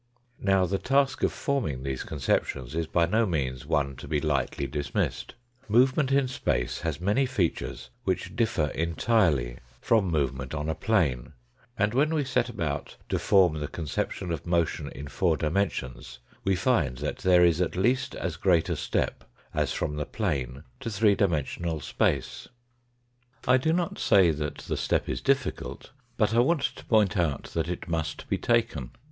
Now, the task of forming these conceptions is by no means one to be lightly dismissed. Movement in space has many features which differ entirely from movement 206 THE FOURTH DIMENSION on a plane; and when we set about to form the Con ception of motion in four dimensions, we find that there is at least as great a step as from the plane to three dimensional space. I do not say that the step is difficult, but I Want to point out that it must be taken.